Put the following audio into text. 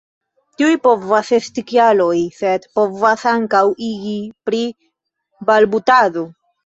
Tiuj povas esti kialoj, sed povas ankaŭ igi pri balbutado.